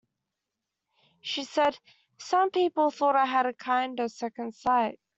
She said: Some people thought I had a kind of second sight.